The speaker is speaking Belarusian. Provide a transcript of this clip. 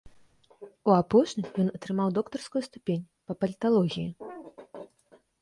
У апошнім ён атрымаў доктарскую ступень па паліталогіі.